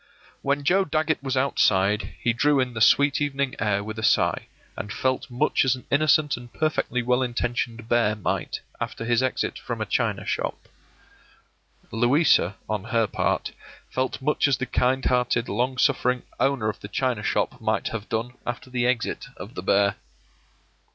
When Joe Dagget was outside he drew in the sweet evening air with a sigh, and felt much as an innocent and perfectly well intentioned bear might after his exit from a china shop. Louisa, on her part, felt much as the kind hearted, long suffering owner of the china shop might have done after the exit of the bear.